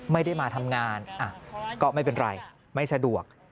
ไม่ได้มาทำงานก็ไม่เป็นไรไม่สะดวก